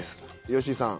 吉井さん。